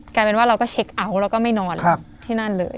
กลายเป็นว่าเราก็เช็คเอาท์แล้วก็ไม่นอนที่นั่นเลย